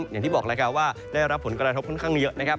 อย่างที่บอกแล้วครับว่าได้รับผลกระทบค่อนข้างเยอะนะครับ